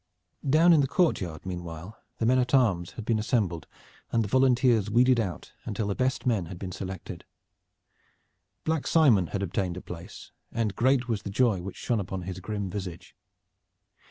Down in the courtyard, meanwhile, the men at arms had been assembled, and the volunteers weeded out until the best men had been selected. Black Simon had obtained a place, and great was the joy which shone upon his grim visage.